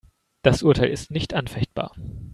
Das Urteil ist nicht anfechtbar.